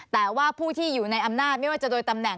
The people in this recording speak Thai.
แต่ว่าผู้ที่อยู่ในอำนาจไม่ว่าจะโดยตำแหน่ง